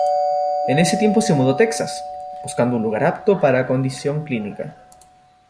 En ese tiempo se mudó a Texas, buscando un lugar apto para condición clínica.